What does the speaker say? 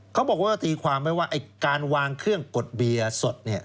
เขาบอกโปรตีความว่าการวางเครื่องกดเบียร์สด